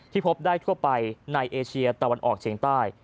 พบได้ทั่วไปในเอเชียตะวันออกเฉียงใต้